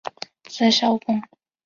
字孝公。